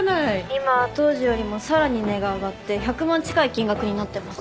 今は当時よりもさらに値が上がって１００万近い金額になってます。